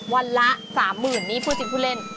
วันละ๓๐๐๐นี่พูดจริงผู้เล่น